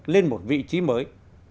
lên một vị trí mới